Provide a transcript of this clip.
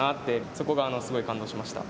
そこがすごい感動した。